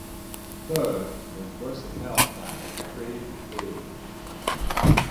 Third was versitel driver Craig Baird.